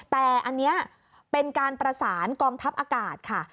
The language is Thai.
แต่อันนี้เป็นการประสานกองทัพอากาศค่ะ